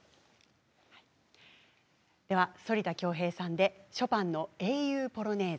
反田恭平さんでショパンの「英雄ポロネーズ」。